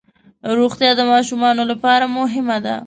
روغتیا د ماشومانو لپاره مهمه ده.